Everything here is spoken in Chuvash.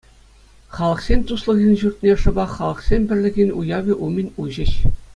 Халӑхсен туслӑхӗн ҫуртне шӑпах Халӑхсен пӗрлӗхӗн уявӗ умӗн уҫӗҫ.